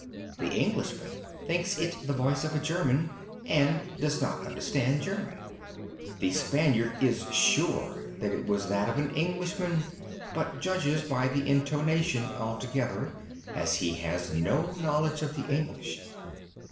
_' The Englishman thinks it the voice of a German, and 'does not understand German.' The Spaniard 'is sure' that it was that of an Englishman, but 'judges by the intonation' altogether, '_as he has no knowledge of the English.